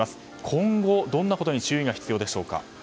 今後、どんなことに注意が必要でしょうか。